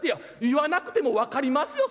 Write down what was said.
言わなくても分かりますよ